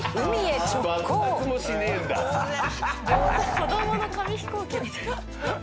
子どもの紙飛行機みたい。